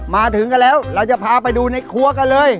มาถึงกันแล้วเราจะพาไปดูในครัวกันเลย